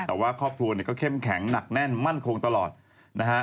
แต่ว่าครอบครัวเนี่ยก็เข้มแข็งหนักแน่นมั่นคงตลอดนะฮะ